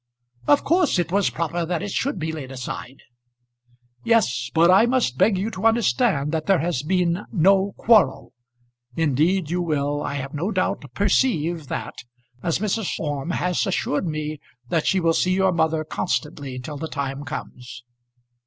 "Of course it was proper that it should be laid aside." "Yes; but I must beg you to understand that there has been no quarrel. Indeed you will, I have no doubt, perceive that, as Mrs. Orme has assured me that she will see your mother constantly till the time comes."